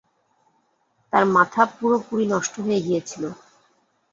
তার মাথা পুরোপুরি নষ্ট হয়ে গিয়েছিল।